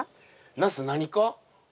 ナス何科？